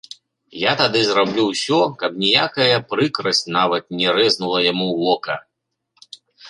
Я тады зраблю ўсё, каб ніякая прыкрасць нават не рэзнула яму вока.